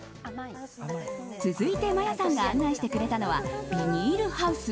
続いて、マヤさんが案内してくれたのはビニールハウス。